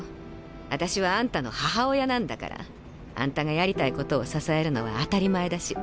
あたしはあんたの母親なんだからあんたがやりたいことを支えるのは当たり前だし。